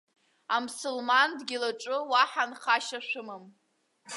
Амсылман дгьыл аҿы уаҳа нхашьа шәымам!